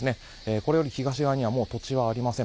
これより東側には土地ありません。